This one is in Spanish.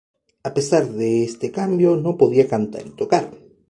A pesar de este cambio, no podía cantar y tocar.